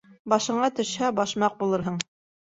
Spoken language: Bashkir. Башыңа төшһә, башмаҡ булырһың.